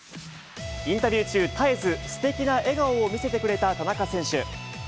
インタビュー中、絶えずすてきな笑顔を見せてくれた田中選手。